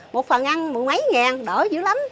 một phần ăn mười mấy ngàn đỡ dữ lắm